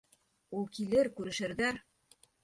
Ул килер, күрешерҙәр.